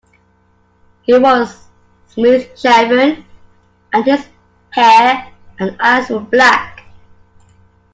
He was smooth-shaven, and his hair and eyes were black.